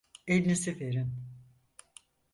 Elinizi verin.